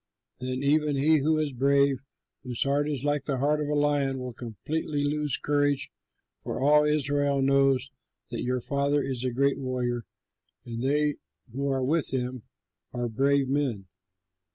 Then even he who is brave, whose heart is like the heart of a lion, will completely lose courage; for all Israel knows that your father is a great warrior, and they who are with him are brave men.